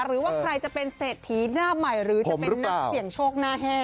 หรือว่าใครจะเป็นเศรษฐีหน้าใหม่หรือจะเป็นนักเสี่ยงโชคหน้าแห้ง